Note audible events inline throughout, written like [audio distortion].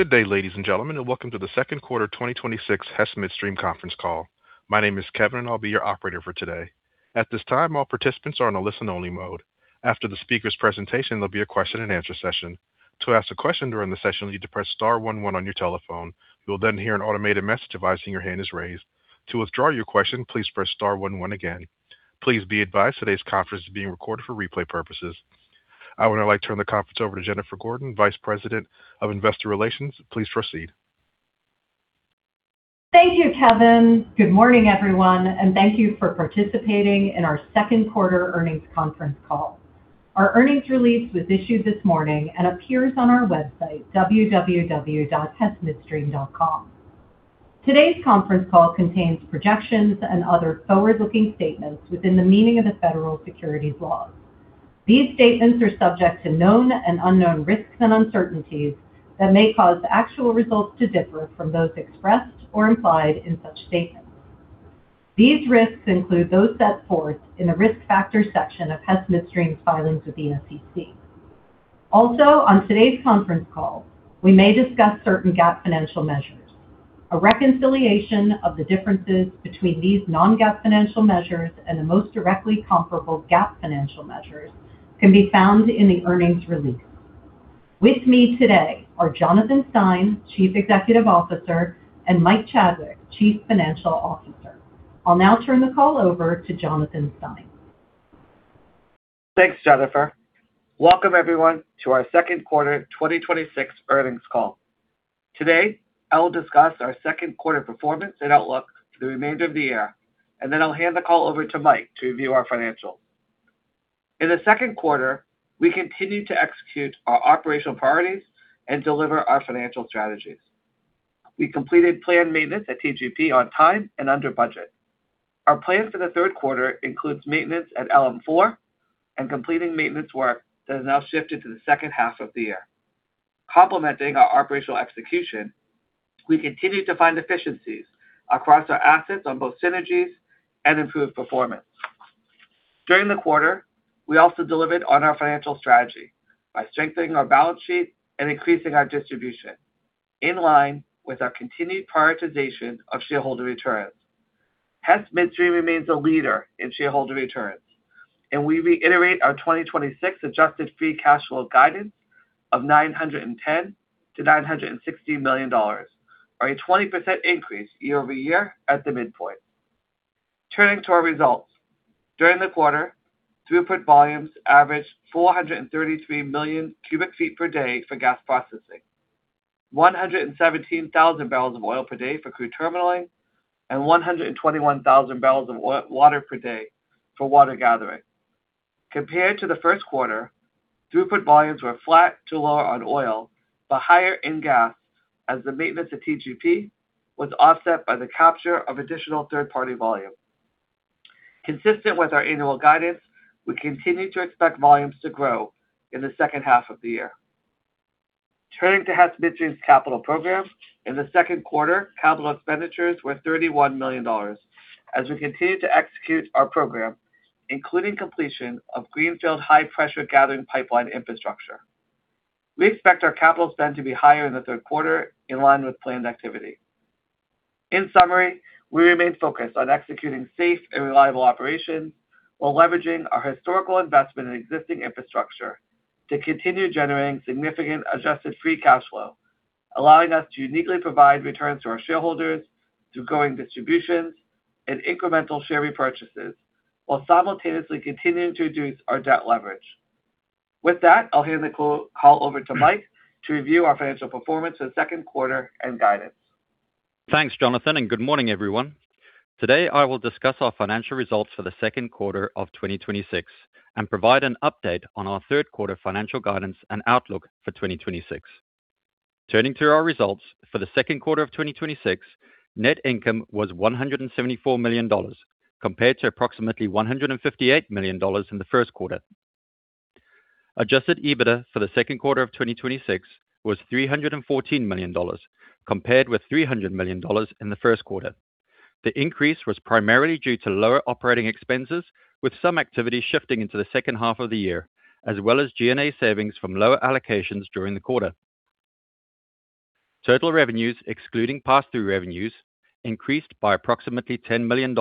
Good day, ladies and gentlemen. Welcome to the second quarter 2026 Hess Midstream conference call. My name is Kevin, and I'll be your operator for today. At this time, all participants are on a listen-only mode. After the speaker's presentation, there'll be a question-and-answer session. To ask a question during the session, you need to press star one one on your telephone. You'll then hear an automated message advising your hand is raised. To withdraw your question, please press star one one again. Please be advised today's conference is being recorded for replay purposes. I would now like to turn the conference over to Jennifer Gordon, Vice President of Investor Relations. Please proceed. Thank you, Kevin. Good morning, everyone, and thank you for participating in our second quarter earnings conference call. Our earnings release was issued this morning and appears on our website, www.hessmidstream.com. Today's conference call contains projections and other forward-looking statements within the meaning of the federal securities laws. These statements are subject to known and unknown risks and uncertainties that may cause actual results to differ from those expressed or implied in such statements. These risks include those set forth in the Risk Factors section of Hess Midstream's filings with the SEC. Also, on today's conference call, we may discuss certain GAAP financial measures. A reconciliation of the differences between these non-GAAP financial measures and the most directly comparable GAAP financial measures can be found in the earnings release. With me today are Jonathan Stein, Chief Executive Officer, and Mike Chadwick, Chief Financial Officer. I'll now turn the call over to Jonathan Stein. Thanks, Jennifer. Welcome everyone to our second quarter 2026 earnings call. Today, I will discuss our second quarter performance and outlook for the remainder of the year. Then, I'll hand the call over to Mike to review our financials. In the second quarter, we continued to execute our operational priorities and deliver our financial strategies. We completed planned maintenance at TGP on time and under budget. Our plan for the third quarter includes maintenance at LM4 and completing maintenance work that has now shifted to the second half of the year. Complementing our operational execution, we continued to find efficiencies across our assets on both synergies and improved performance. During the quarter, we also delivered on our financial strategy by strengthening our balance sheet and increasing our distribution in line with our continued prioritization of shareholder returns. Hess Midstream remains a leader in shareholder returns, and we reiterate our 2026 adjusted free cash flow guidance of $910 million-$960 million, or a 20% increase year-over-year at the midpoint. Turning to our results. During the quarter, throughput volumes averaged 433 million cubic feet per day for gas processing, 117,000 BOPD for crude terminaling, and 121,000 BWPD for water gathering. Compared to the first quarter, throughput volumes were flat to lower on oil but higher in gas as the maintenance at TGP was offset by the capture of additional third-party volume. Consistent with our annual guidance, we continue to expect volumes to grow in the second half of the year. Turning to Hess Midstream's capital program. In the second quarter, capital expenditures were $31 million as we continued to execute our program, including completion of greenfield high-pressure gathering pipeline infrastructure. We expect our capital spend to be higher in the third quarter in line with planned activity. In summary, we remain focused on executing safe and reliable operations while leveraging our historical investment in existing infrastructure to continue generating significant adjusted free cash flow, allowing us to uniquely provide returns to our shareholders through growing distributions and incremental share repurchases while simultaneously continuing to reduce our debt leverage. With that, I'll hand the call over to Mike to review our financial performance for the second quarter and guidance. Thanks, Jonathan, and good morning, everyone. Today, I will discuss our financial results for the second quarter of 2026 and provide an update on our third quarter financial guidance and outlook for 2026. Turning to our results. For the second quarter of 2026, net income was $174 million compared to approximately $158 million in the first quarter. Adjusted EBITDA for the second quarter of 2026 was $314 million, compared with $300 million in the first quarter. The increase was primarily due to lower operating expenses, with some activity shifting into the second half of the year, as well as G&A savings from lower allocations during the quarter. Total revenues, excluding pass-through revenues, increased by approximately $10 million,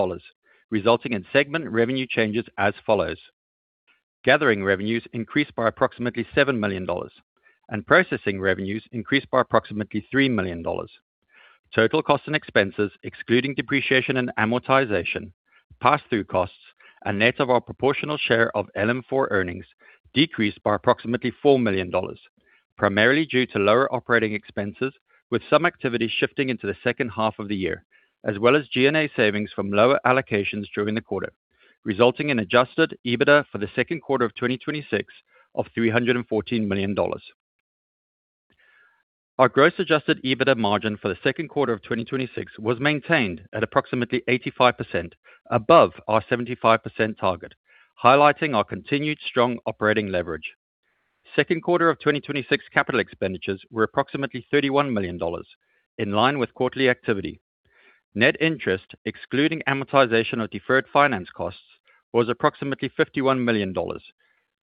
resulting in segment revenue changes as follows. Gathering revenues increased by approximately $7 million, and processing revenues increased by approximately $3 million. Total costs and expenses, excluding depreciation and amortization, pass-through costs, and net of our proportional share of LM4 earnings, decreased by approximately $4 million, primarily due to lower operating expenses with some activity shifting into the second half of the year, as well as G&A savings from lower allocations during the quarter, resulting in adjusted EBITDA for the second quarter of 2026 of $314 million. Our gross adjusted EBITDA margin for the second quarter of 2026 was maintained at approximately 85%, above our 75% target, highlighting our continued strong operating leverage. Second quarter of 2026 capital expenditures were approximately $31 million, in line with quarterly activity. Net interest, excluding amortization of deferred finance costs, was approximately $51 million,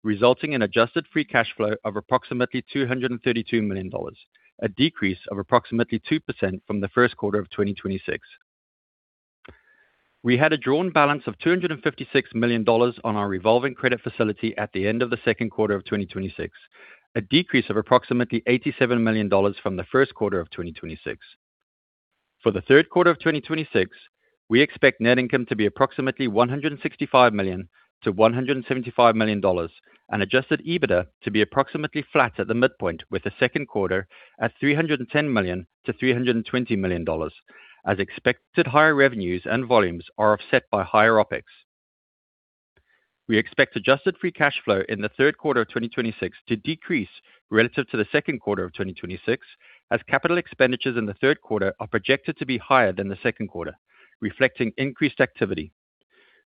resulting in adjusted free cash flow of approximately $232 million, a decrease of approximately 2% from the first quarter of 2026. We had a drawn balance of $256 million on our revolving credit facility at the end of the second quarter of 2026, a decrease of approximately $87 million from the first quarter of 2026. For the third quarter of 2026, we expect net income to be approximately $165 million-$175 million, and adjusted EBITDA to be approximately flat at the midpoint with the second quarter at $310 million-$320 million, as expected higher revenues and volumes are offset by higher OpEx. We expect adjusted free cash flow in the third quarter of 2026 to decrease relative to the second quarter of 2026, as capital expenditures in the third quarter are projected to be higher than the second quarter, reflecting increased activity.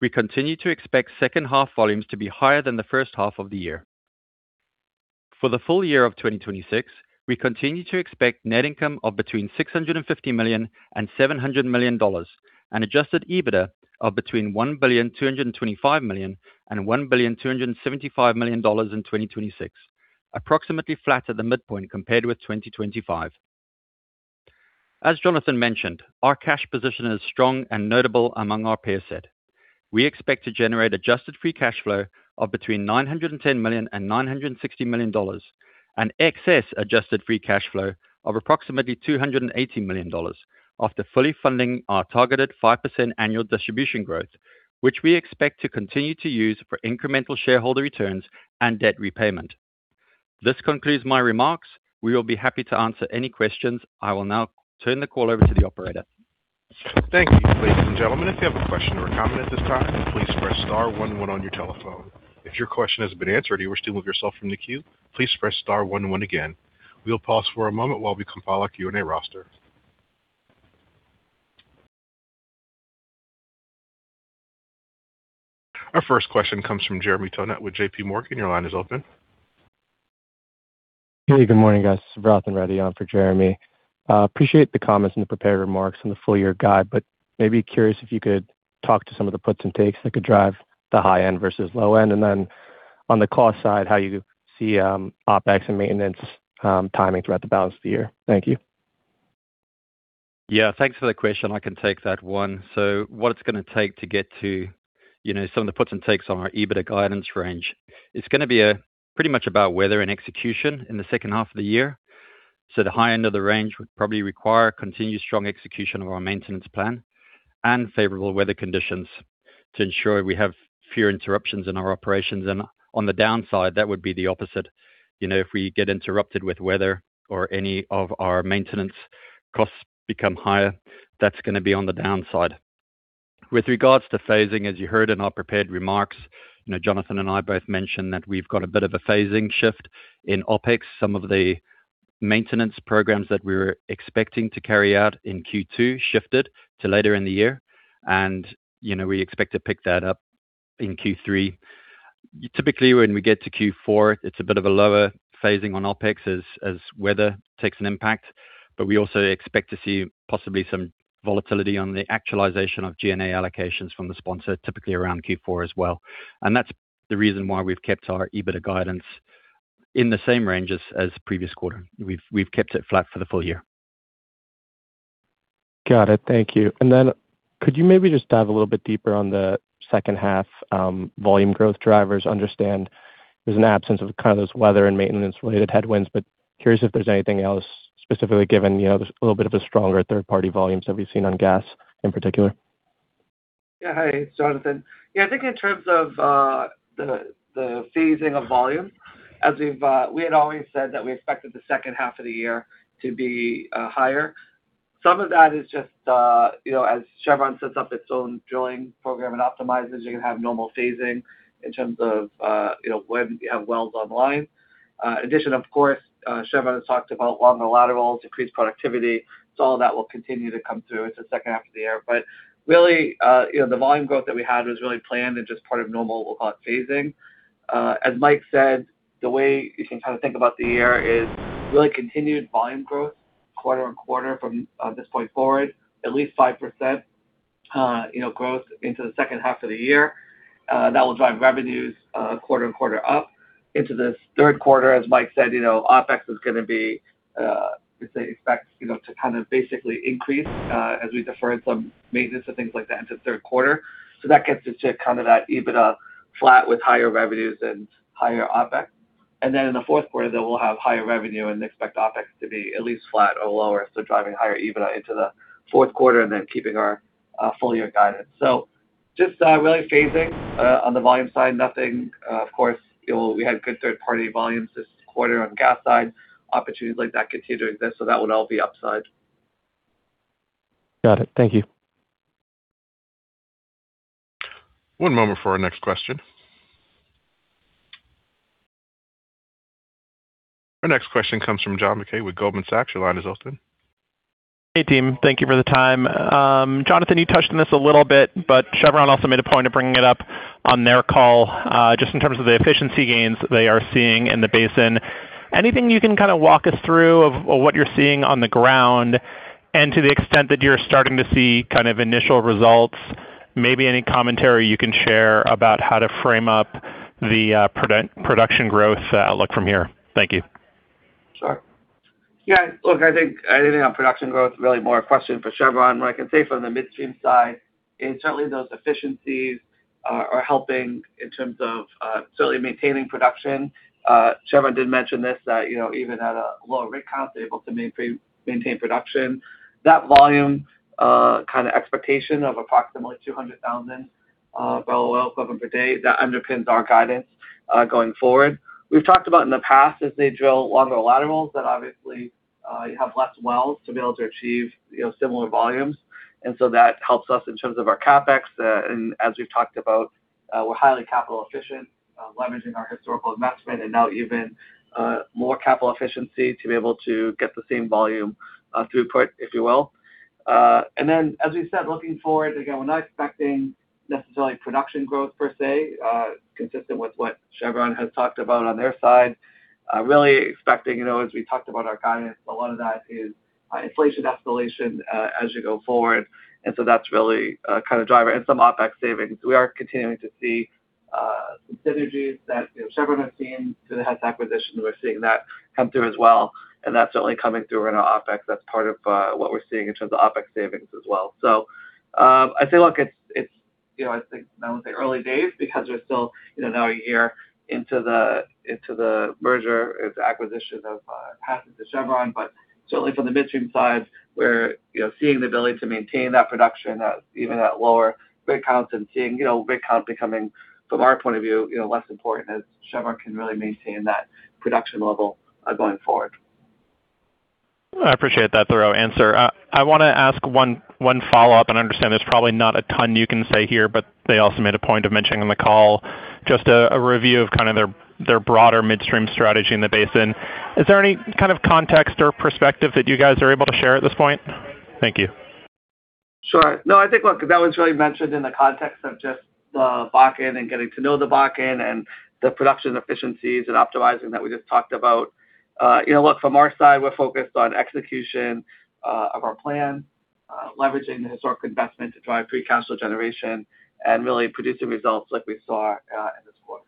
We continue to expect second half volumes to be higher than the first half of the year. For the full year of 2026, we continue to expect net income of between $650 million and $700 million, and adjusted EBITDA of between $1.225 billion and $1.275 billion in 2026, approximately flat at the midpoint compared with 2025. As Jonathan mentioned, our cash position is strong and notable among our peer set. We expect to generate adjusted free cash flow of between $910 million and $960 million, and excess adjusted free cash flow of approximately $280 million after fully funding our targeted 5% annual distribution growth, which we expect to continue to use for incremental shareholder returns and debt repayment. This concludes my remarks. We will be happy to answer any questions. I will now turn the call over to the operator. Thank you. Ladies and gentlemen, if you have a question or a comment at this time, please press star one one on your telephone. If your question has been answered and you wish to remove yourself from the queue, please press star one one again. We'll pause for a moment while we compile a Q&A roster. Our first question comes from Jeremy Tonet with JPMorgan. Your line is open. Hey, good morning, guys. This is [audio distortion] on for Jeremy. Appreciate the comments and the prepared remarks on the full year guide, but maybe, curious if you could talk to some of the puts and takes that could drive the high end versus low end, and then on the cost side, how you see, OpEx and maintenance timing throughout the balance of the year. Thank you. Yeah, thanks for the question. I can take that one. So, what it's going to take to get to some of the puts and takes on our EBITDA guidance range, it's going to be pretty much about weather and execution in the second half of the year. The high end of the range would probably require continued strong execution of our maintenance plan and favorable weather conditions to ensure we have fewer interruptions in our operations. On the downside, that would be the opposite. If we get interrupted with weather or any of our maintenance costs become higher, that's going to be on the downside. With regards to phasing, as you heard in our prepared remarks, Jonathan and I both mentioned that we've got a bit of a phasing shift in OpEx. Some of the maintenance programs that we were expecting to carry out in Q2 shifted to later in the year, and we expect to pick that up in Q3. Typically, when we get to Q4, it's a bit of a lower phasing on OpEx as weather takes an impact, but we also expect to see possibly some volatility on the actualization of G&A allocations from the sponsor, typically around Q4 as well. That's the reason why we've kept our EBITDA guidance in the same range as previous quarter. We've kept it flat for the full year. Got it. Thank you. Then, could you maybe just dive a little bit deeper on the second half volume growth drivers? Understand there's an absence of kind of those weather and maintenance-related headwinds, but curious if there's anything else specifically given this little bit of a stronger third-party volumes that we've seen on gas in particular. Yeah. Hey, it's Jonathan. I think in terms of the phasing of volume, as we had always said that we expected the second half of the year to be higher. Some of that is just, you know, as Chevron sets up its own drilling program and optimizes, you're going to have normal phasing in terms of when you have wells online. In addition, of course, Chevron has talked about longer laterals, increased productivity, so all of that will continue to come through into the second half of the year. But really, the volume growth that we had was really planned and just part of normal phasing. As Mike said, the way you can kind of think about the year is really continued volume growth quarter-on-quarter from this point forward, at least 5% growth into the second half of the year. That will drive revenues quarter-on-quarter up into this third quarter. As Mike said, OpEx is going to basically increase as we defer some maintenance and things like that into third quarter. That gets us to kind of that EBITDA flat with higher revenues and higher OpEx. In the fourth quarter, then we'll have higher revenue and expect OpEx to be at least flat or lower, so driving higher EBITDA into the fourth quarter and then keeping our full-year guidance. So, just really phasing on the volume side, nothing, of course, we had good third-party volumes this quarter on gas side. Opportunities like that continue to exist, so that would all be upside. Got it. Thank you. One moment for our next question. Our next question comes from John Mackay with Goldman Sachs. Your line is open. Hey, team. Thank you for the time. Jonathan, you touched on this a little bit, but Chevron also made a point of bringing it up on their call, just in terms of the efficiency gains they are seeing in the basin. Anything you can kind of walk us through of what you're seeing on the ground, and to the extent that you're starting to see kind of initial results, maybe any commentary you can share about how to frame up the production growth outlook from here. Thank you. Sure. Yeah, look, I think anything on production growth, really more a question for Chevron. What I can say from the Midstream side is certainly those efficiencies are helping in terms of certainly maintaining production. Chevron did mention this, that even at a lower rig count, they're able to maintain production. That volume kind of expectation of approximately 200,000 BOEPD, that underpins our guidance going forward. We've talked about in the past, as they drill longer laterals, that obviously, you have less wells to be able to achieve similar volumes, and so that helps us in terms of our CapEx. As we've talked about, we're highly capital efficient, leveraging our historical investment and now even more capital efficiency to be able to get the same volume throughput, if you will. As we said, looking forward, again, we're not expecting necessarily production growth per se, consistent with what Chevron has talked about on their side. Really expecting, as we talked about our guidance, a lot of that is inflation escalation as you go forward. So, that's really kind of a driver. And some OpEx savings. We are continuing to see some synergies that Chevron has seen through the Hess acquisition. We're seeing that come through as well, and that's certainly coming through in our OpEx. That's part of what we're seeing in terms of OpEx savings as well. I'd say, look, I would say, early days because we're still now a year into the merger, its acquisition of passing to Chevron. But certainly, from the Midstream side, we're seeing the ability to maintain that production even at lower rig counts and seeing rig count becoming, from our point of view, less important as Chevron can really maintain that production level going forward. I appreciate that thorough answer. I want to ask one follow-up, and I understand there's probably not a ton you can say here, but they also made a point of mentioning on the call just a review of their broader midstream strategy in the basin. Is there any kind of context or perspective that you guys are able to share at this point? Thank you. Sure. No, I think, look, that was really mentioned in the context of just the Bakken and getting to know the Bakken and the production efficiencies and optimizing that we just talked about. Look, from our side, we're focused on execution of our plan, leveraging the historic investment to drive free cash flow generation and really producing results like we saw in this quarter.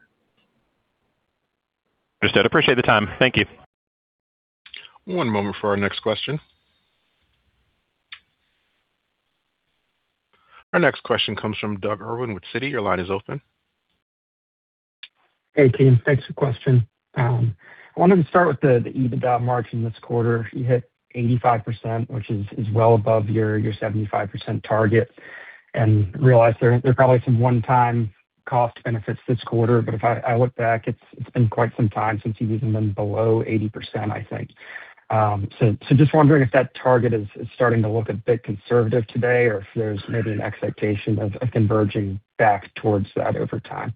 Understood. Appreciate the time. Thank you. One moment for our next question. Our next question comes from Doug Irwin with Citi. Your line is open. Hey, team. Thanks for the question. I wanted to start with the EBITDA margin this quarter. You hit 85%, which is well above your 75% target, and realize there are probably some one-time cost benefits this quarter, but if I look back, it's been quite some time since you've even been below 80%, I think. Just wondering if that target is starting to look a bit conservative today or if there's maybe an expectation of converging back towards that over time.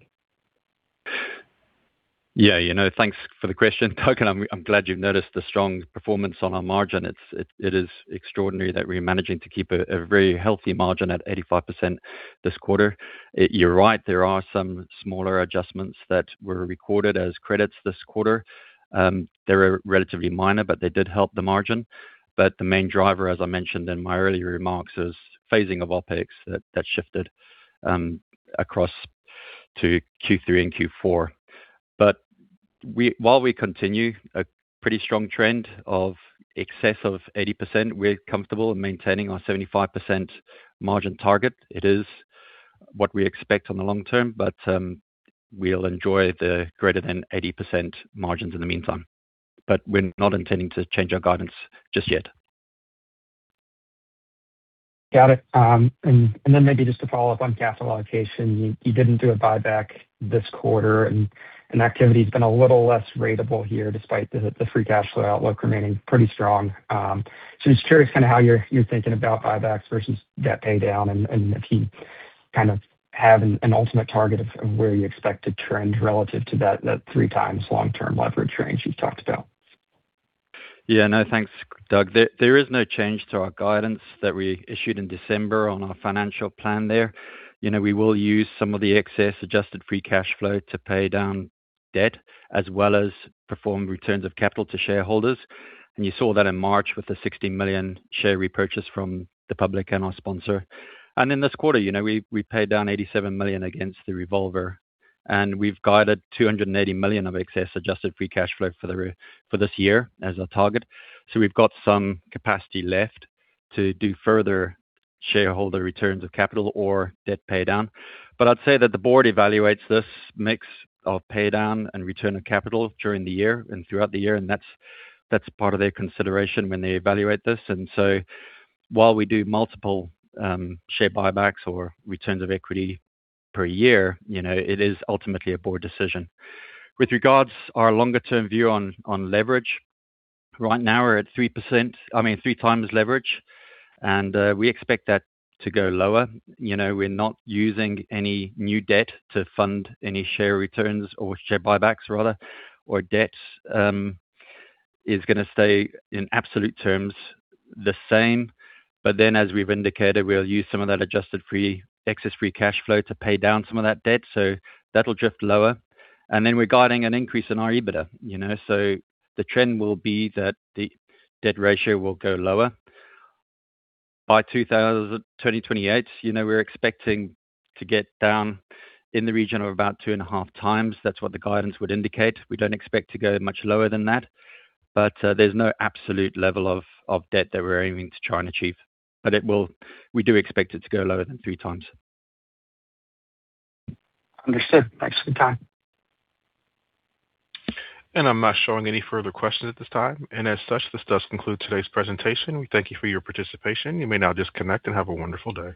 Yeah. Thanks for the question, Doug, I'm glad you've noticed the strong performance on our margin. It is extraordinary that we're managing to keep a very healthy margin at 85% this quarter. You're right, there are some smaller adjustments that were recorded as credits this quarter. They were relatively minor, but they did help the margin. But the main driver, as I mentioned in my earlier remarks, is phasing of OpEx that shifted across to Q3 and Q4. While we continue a pretty strong trend of excess of 80%, we're comfortable maintaining our 75% margin target. It is what we expect on the long term, but we'll enjoy the greater than 80% margins in the meantime. But we're not intending to change our guidance just yet. Got it. Maybe just to follow up on capital allocation, you didn't do a buyback this quarter, and activity's been a little less ratable here despite the free cash flow outlook remaining pretty strong. Just curious how you're thinking about buybacks versus debt paydown and if you have an ultimate target of where you expect to trend relative to that 3x long-term leverage range you've talked about. Yeah. No, thanks, Doug. There is no change to our guidance that we issued in December on our financial plan there. We will use some of the excess adjusted free cash flow to pay down debt as well as perform returns of capital to shareholders, and you saw that in March with the $60 million share repurchase from the public and our sponsor. In this quarter, we paid down $87 million against the revolver, and we've guided $280 million of excess adjusted free cash flow for this year as our target. We've got some capacity left to do further shareholder returns of capital or debt paydown. But I'd say that the board evaluates this mix of paydown and return of capital during the year and throughout the year, and that's part of their consideration when they evaluate this. And so, while we do multiple share buybacks or returns of equity per year, it is ultimately a board decision. With regards our longer-term view on leverage, right now, we're at 3x leverage, and we expect that to go lower. We're not using any new debt to fund any share returns or share buybacks, rather, or debt is going to stay, in absolute terms, the same. But then, as we've indicated, we'll use some of that adjusted excess free cash flow to pay down some of that debt, so that'll drift lower. And then, we're guiding an increase in our EBITDA, so the trend will be that the debt ratio will go lower. By 2028, we're expecting to get down in the region of about 2.5x. That's what the guidance would indicate. We don't expect to go much lower than that. But there's no absolute level of debt that we're aiming to try and achieve. We do expect it to go lower than 3x. Understood. Thanks for the time. I'm not showing any further questions at this time. As such, this does conclude today's presentation. We thank you for your participation. You may now disconnect and have a wonderful day.